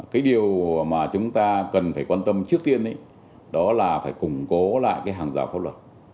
cái điều mà chúng ta cần phải quan tâm trước tiên đó là phải củng cố lại cái hàng rào pháp luật